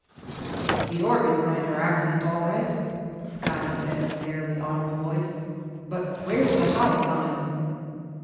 "It's the organ grinder accent all right," Gatti said in a barely audible voice. "But where's the high sign?"